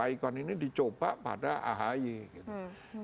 ikon ini dicoba pada ahy gitu